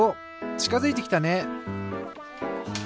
ちかづいてきたね！